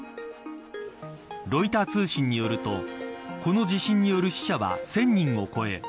ロイター通信によるとこの地震による死者は１０００人を超え